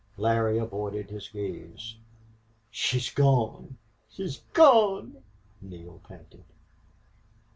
Larry avoided his gaze. "She's gone!... She's gone!" Neale panted.